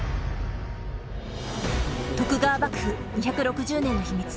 徳川幕府２６０年の秘密。